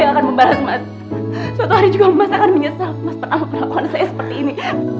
yang akan membalas mas suatu hari juga mas akan menyesal mas pernah melakukan saya seperti ini